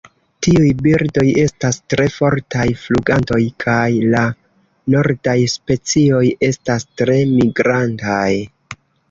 Tiuj birdoj estas tre fortaj flugantoj kaj la nordaj specioj estas tre migrantaj.